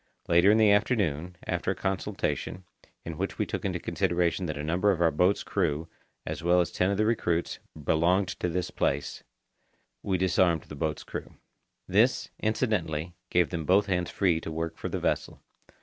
Later in the afternoon, after a consultation, in which we took into consideration that a number of our boat's crew, as well as ten of the recruits, belonged to this place, we disarmed the boat's crew. This, incidently, gave them both hands free to work for the vessel.